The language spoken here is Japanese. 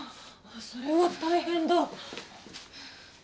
それは大変だ。